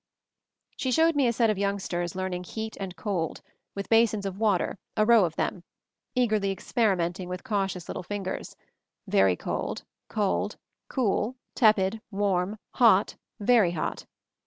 She showed me a set of youngsters learn ing Heat and Cold, with basins of water, a row of them; eagerly experimenting with cautious little fingers — very cold, cold, cool, tepid, warm, hot, very hot.